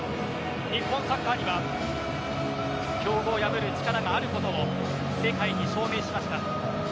日本サッカーには強豪を破る力があることを世界に証明しました。